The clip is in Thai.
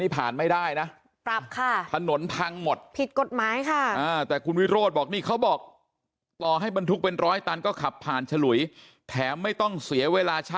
พี่หุยมันต้องผ่านด่านตรวจ